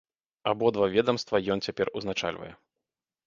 Абодва ведамства ён цяпер узначальвае.